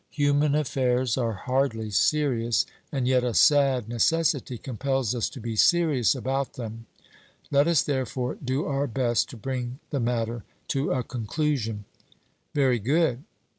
Human affairs are hardly serious, and yet a sad necessity compels us to be serious about them. Let us, therefore, do our best to bring the matter to a conclusion. 'Very good.'